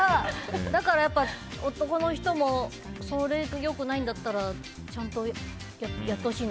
だから、男の人もそれでよくないんだったらちゃんとやってほしいな。